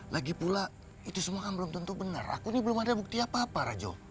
lagi pula itu semua kan belum tentu benar aku ini belum ada bukti apa apa raja